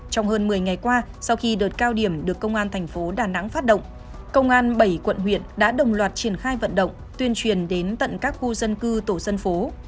trong hơn một mươi ngày qua sau khi đợt cao điểm được công an thành phố đà nẵng phát động công an bảy quận huyện đã đồng loạt triển khai vận động tuyên truyền đến tận các khu dân cư tổ dân phố